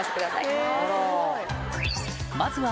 まずは